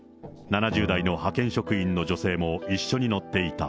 ７０代の派遣職員の女性も一緒に乗っていた。